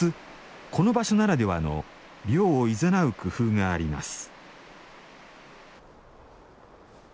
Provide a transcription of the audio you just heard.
この場所ならではの涼をいざなう工夫があります。